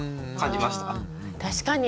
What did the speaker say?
確かに。